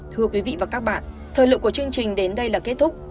thưa quý vị và các bạn thời lượng của chương trình đến đây là kết thúc